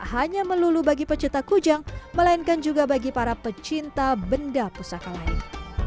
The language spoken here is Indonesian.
tak hanya melulu bagi pecinta kujang melainkan juga bagi para pecinta benda pusaka lain